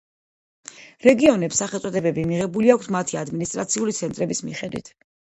რეგიონებს სახელწოდებები მიღებული აქვთ მათი ადმინისტრაციული ცენტრების მიხედვით.